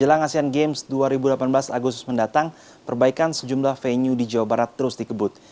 jelang asean games dua ribu delapan belas agustus mendatang perbaikan sejumlah venue di jawa barat terus dikebut